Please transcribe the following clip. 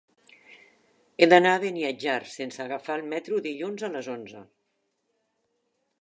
He d'anar a Beniatjar sense agafar el metro dilluns a les onze.